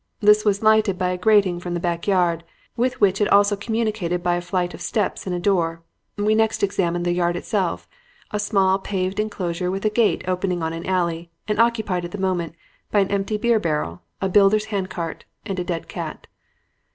This was lighted by a grating from the back yard, with which it also communicated by a flight of steps and a door. We next examined the yard itself, a small paved enclosure with a gate opening on an alley, and occupied at the moment by an empty beer barrel, a builder's hand cart and a dead cat.